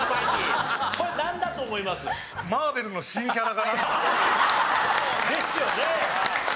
これなんだと思います？ですよね！